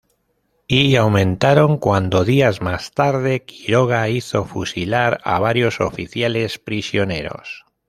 Y aumentaron cuando, días más tarde, Quiroga hizo fusilar a varios oficiales prisioneros.